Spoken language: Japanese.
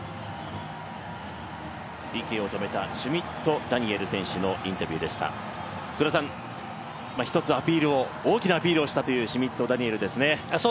ＰＫを止めたシュミット・ダニエル選手のインタビューでした一つ大きなアピールをしたというシュミット・ダニエルですね。